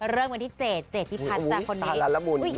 เริ่มกันที่เจจริงที่พัดจากคนนี้